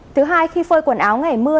thứ hai khi phơi quần áo ngày mưa